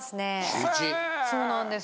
そうなんです。